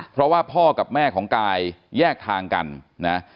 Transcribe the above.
เพราะว่าพ่อกับแม่ของกายแยกทางกันนะ